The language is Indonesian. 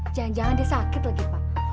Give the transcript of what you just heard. jangan jangan dia sakit lagi pak